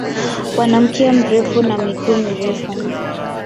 Wana mkia mrefu na miguu mirefu.